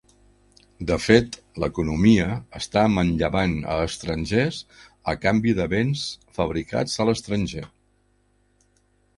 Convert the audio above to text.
De fet, l'economia està manllevant a estrangers a canvi de béns fabricats a l'estranger.